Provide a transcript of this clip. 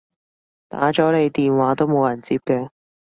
打咗你電話都冇人接嘅